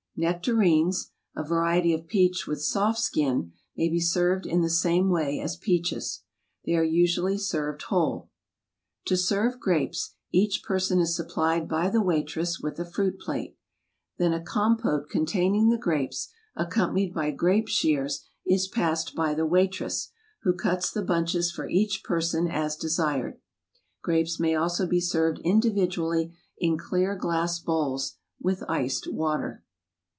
Nectarines, a variety of peach with soft skin, may be served in the same way as peaches. They are usually served whole. To serve grapes, each person is supplied by the waitress with a fruit plate; then a compote contain ing the grapes, accompanied by grape shears, is passed by the waitress, who cuts the bunches for each person, as desired. Grapes may also be served in dividually in clear glass bowls with iced water.